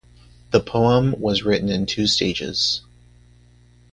The poem was written in two stages.